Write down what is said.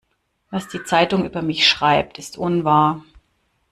Was die Zeitung über mich schreibt, ist unwahr.